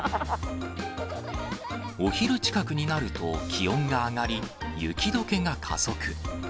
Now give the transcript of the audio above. お昼近くになると気温が上がり、雪どけが加速。